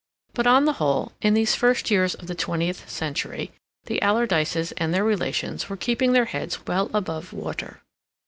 But, on the whole, in these first years of the twentieth century, the Alardyces and their relations were keeping their heads well above water.